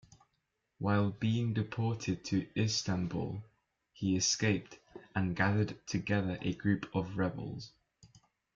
While being deported to Istanbul, he escaped, and gathered together a group of rebels.